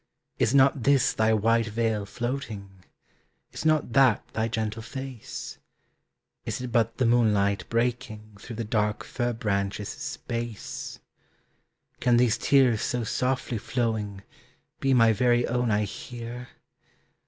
Is not this thy white veil floating? Is not that thy gentle face? Is it but the moonlight breaking Through the dark fir branches' space? Can these tears so softly flowing Be my very own I hear?